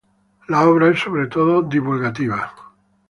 La obra es sobre todo divulgativa.